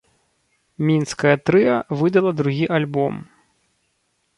Мінскае трыа выдала другі альбом.